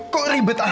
kok ribet amat sih